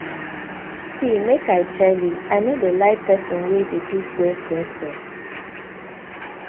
See mek I tell yu, I no like pesin wey de do kwe kwe kwe.